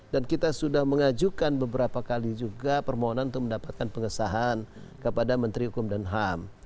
dan kita sudah mengajukan beberapa kali juga permohonan untuk mendapatkan pengesahan kepada menteri hukum dan ham